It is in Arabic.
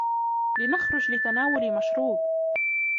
لنخرج لتناول مشروب.